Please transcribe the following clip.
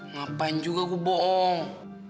ngapain juga gua bohong